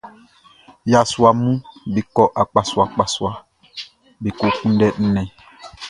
Yasuaʼm be kɔ akpasuaakpasua be ko kunndɛ nnɛn.